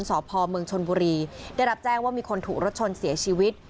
สพเมืองชนบุรีได้รับแจ้งว่ามีคนถูกรถชนเสียชีวิต